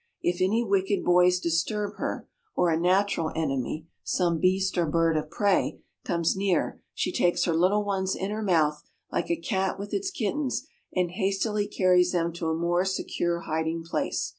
If any wicked boys disturb her, or a natural enemy, some beast or bird of prey, comes near, she takes her little ones in her mouth, like a cat with its kittens, and hastily carries them to a more secure hiding place.